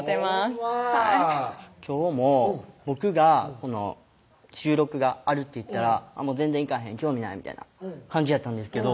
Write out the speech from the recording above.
ほんまぁ今日も僕がこの収録があるって言ったら全然行かへん興味ないみたいな感じやったんですけど